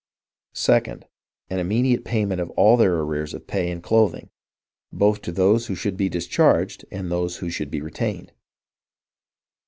2d, An immediate payment of all their arrears of pay and cloth ing, both to those who should be discharged, and those who should be retained.